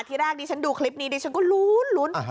ทีแรกดิฉันดูคลิปนี้ดิฉันก็ลุ้น